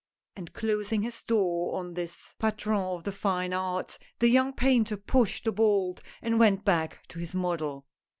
And closing his door on this patron of the fine arts, the young painter pushed the bolt and went back to his model.